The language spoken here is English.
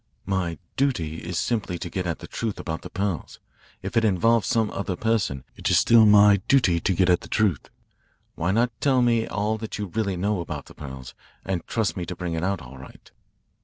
My duty is simply to get at the truth about the pearls. If it involves some other person, it is still my duty to get at the truth. Why not tell me all that you really know about the pearls and trust me to bring it out all right?"